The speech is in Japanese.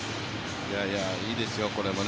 いやいや、いいですよ、これもね。